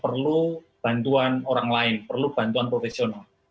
perlu bantuan orang lain perlu bantuan profesional